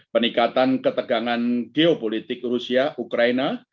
peningkatan ketegangan geopolitik rusia ukraina